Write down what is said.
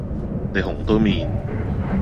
你紅都面